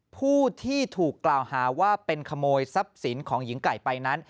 ผู้ที่ถูกกล่าวหาว่าเป็นขโมยทรัพย์สินของหญิงไก่ไปนั้น